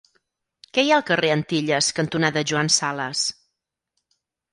Què hi ha al carrer Antilles cantonada Joan Sales?